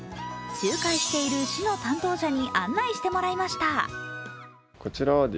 仲介している市の担当者に案内してもらいました。